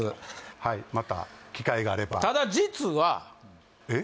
はいまた機会があればただ実はえっ？